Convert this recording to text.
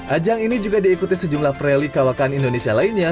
ajang ini juga diikuti sejumlah preli kawakan indonesia lainnya